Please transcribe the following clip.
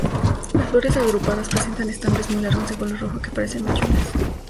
Las flores agrupadas, presentan estambres muy largos de color rojo que parecen mechones.